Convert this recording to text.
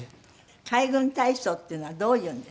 海軍体操っていうのはどういうのですか？